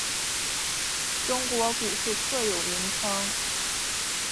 中国股市特有名称。